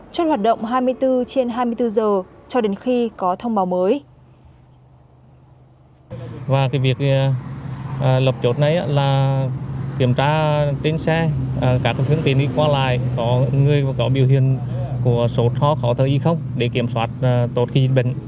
trong hoạt động hai mươi bốn trên hai mươi bốn giờ cho đến khi có thông báo mới